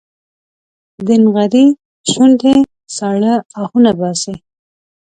د نغري شوندې ساړه اهونه باسي